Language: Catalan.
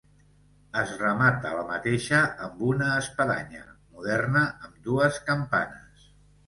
Es remata la mateixa amb una espadanya, moderna, amb dues campanes.